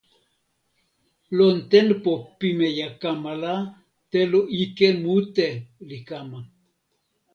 lon tenpo pimeja kama la, telo ike mute li kama!